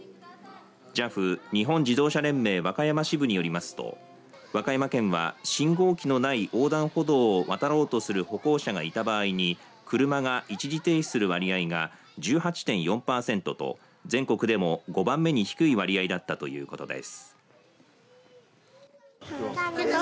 ＪＡＦ日本自動車連盟和歌山支部によりますと和歌山県は信号機のない横断歩道を渡ろうとする歩行者がいた場合に車が一時停止する割合が１８．４パーセントと、全国でも５番目に低い割合だったということです。